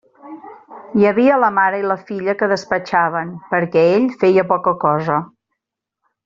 Hi havia la mare i la filla que despatxaven, perquè ell feia poca cosa.